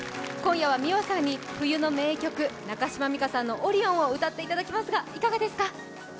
今夜はｍｉｗａさんに冬の名曲、中島美嘉さんの「ＯＲＩＯＮ」を歌っていただきますが、いかがですか。